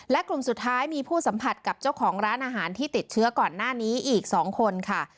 และกลุ่มสุดท้ายมีผู้สัมผัสกับเจ้าของร้านอาหารที่ติดเชื้อก่อนหน้านี้อีก๒คนค่ะ